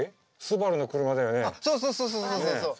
そうそうそうそうそうそうそう。